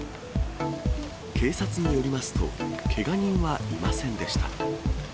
警察によりますと、けが人はいませんでした。